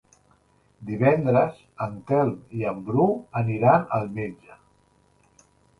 Divendres en Telm i en Bru aniran al metge.